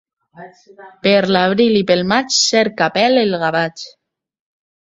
Per l'abril i pel maig cerca pèl el gavatx.